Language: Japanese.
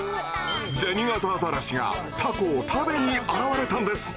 ゼニガタアザラシがタコを食べに現れたんです。